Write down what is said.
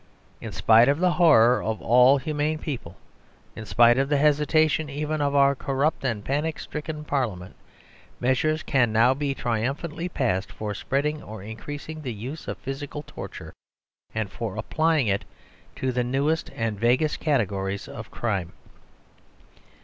In spite of the horror of all humane people, in spite of the hesitation even of our corrupt and panic stricken Parliament, measures can now be triumphantly passed for spreading or increasing the use of physical torture, and for applying it to the newest and vaguest categories of crime.